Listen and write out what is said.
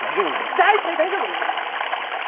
だい大丈夫です。